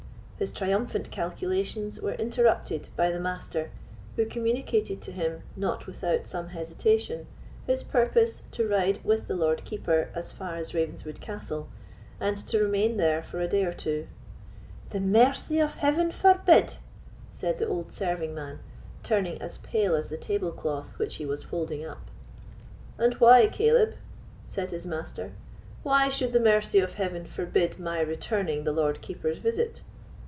His triumphant calculations were interrupted by the Master, who communicated to him, not without some hesitation, his purpose to ride with the Lord Keeper as far as Ravenswood Castle, and to remain there for a day or two. "The mercy of Heaven forbid!" said the old serving man, turning as pal as the table cloth which he was folding up. "And why, Caleb?" said his master—"why should the mercy of Heaven forbid my returning the Lord Keeper's visit?"